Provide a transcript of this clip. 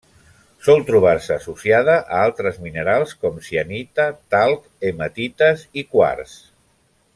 Sol trobar-se associada a altres minerals com: cianita, talc, hematites i quars.